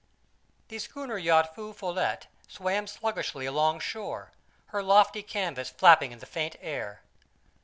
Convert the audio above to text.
The schooner yacht Feu Follette swam sluggishly along shore, her lofty canvas flapping in the faint air.